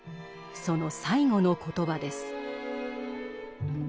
その最後の言葉です。